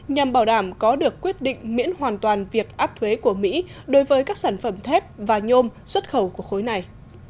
nhằm bảo đảm có được quyết định miễn hoàn toàn việc áp thuế của mỹ đối với các sản phẩm thép và nhôm xuất khẩu của khối này